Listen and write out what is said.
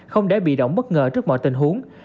không để bị động bất ngờ trước mọi tình huống